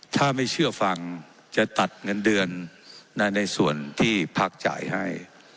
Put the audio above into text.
ถ้าไม่เชื่อฟังจะตัดเงินเดือนในส่วนที่พักจ่ายให้